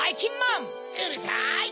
うるさい！